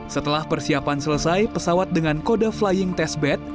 setelah persiapan selesai pesawat dengan kode flying testbed